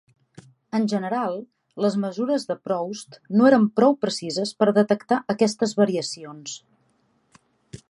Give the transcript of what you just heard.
En general, les mesures de Proust no eren prou precises per detectar aquestes variacions.